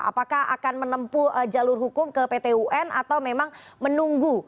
apakah akan menempuh jalur hukum ke pt un atau memang menunggu